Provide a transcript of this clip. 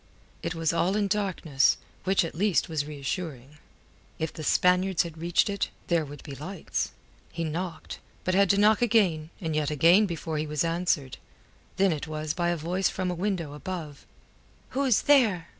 It was all in darkness, which at least was reassuring. If the Spaniards had reached it, there would be lights. He knocked, but had to knock again and yet again before he was answered. Then it was by a voice from a window above. "Who is there?"